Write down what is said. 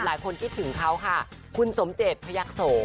หลายคนคิดถึงเค้าค่ะคุณสมเจชพยักษ์โส